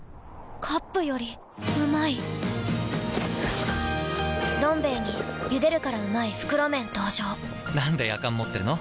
カップよりうまい「どん兵衛」に「ゆでるからうまい！袋麺」登場なんでやかん持ってるの？